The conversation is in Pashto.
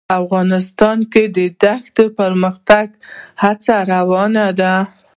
افغانستان کې د دښتې د پرمختګ هڅې روانې دي.